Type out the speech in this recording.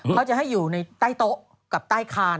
เขาจะให้อยู่ในใต้โต๊ะกับใต้คาน